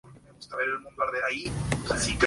El complejo toma su nombre del río Surinam.